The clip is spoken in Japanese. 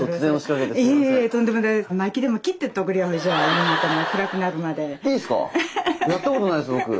やったことないです僕。